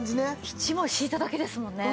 一枚敷いただけですもんね。